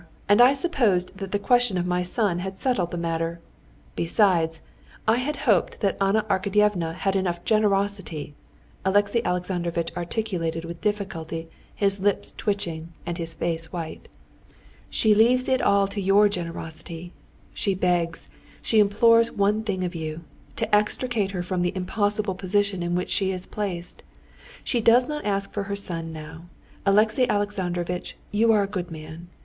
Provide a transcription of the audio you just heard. And I had supposed that the question of my son had settled the matter. Besides, I had hoped that Anna Arkadyevna had enough generosity...." Alexey Alexandrovitch articulated with difficulty, his lips twitching and his face white. "She leaves it all to your generosity. She begs, she implores one thing of you—to extricate her from the impossible position in which she is placed. She does not ask for her son now. Alexey Alexandrovitch, you are a good man.